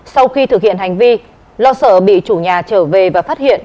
sau khi thực hiện hành vi lo sợ bị chủ nhà trở về và phát hiện